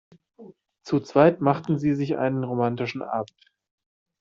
Zu zweit machten sie sich einen romantischen Abend.